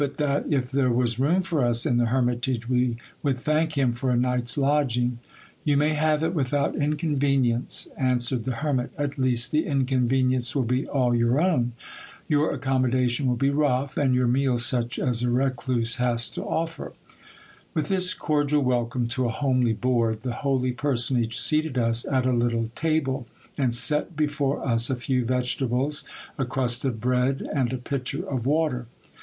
■57 that if there was room for us in the hermitage, we would thank him for a night's lodging. You may have it without inconvenience, answered the hermit, at least the inconvenience will be all your own. Your accommodation will be rough, and your meal such as a recluse has to offer. With this cordial welcome to a homely board, the holy personage seated us at a little table, and set before us a few vegetables, a crust of bread, and a pitcher of water.